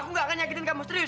aku gak akan nyakin kamu serius